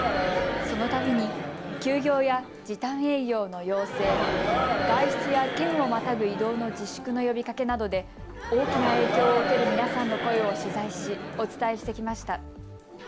そのたびに休業や、時短営業の要請、外出や県をまたぐ移動の自粛の呼びかけなどで大きな影響を受ける皆さんの声を取材し、お伝えしてきました。